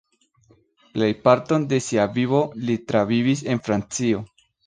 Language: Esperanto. Plejparton de sia vivo li travivis en Francio.